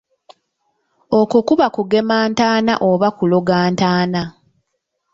Okwo kuba kugema ntaana oba kuloga ntaana.